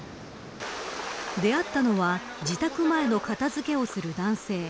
出会ったのは自宅前の片付けをする男性。